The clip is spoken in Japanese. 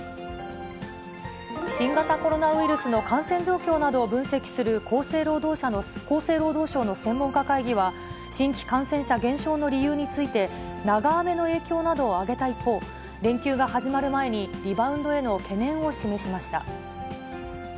新型コロナウイルスの感染状況などを分析する厚生労働省の専門家会議は、新規感染者減少の理由について、長雨の影響などを挙げた一方、連休が始まる前にリバウンドへの懸念を示しました。